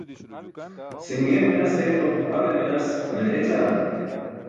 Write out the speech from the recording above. Si̇ṅgee minas ayetum hale minas mene écaana.